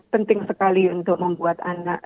penting sekali untuk membuat anak